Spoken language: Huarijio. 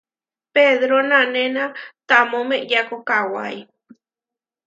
Pedro nanéna tamó meʼeyako kawái.